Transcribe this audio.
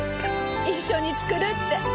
一緒に作るって。